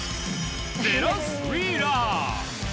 ゼラス・ウィーラー。